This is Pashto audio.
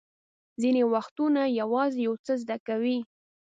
ځینې وختونه یوازې یو څه زده کوئ.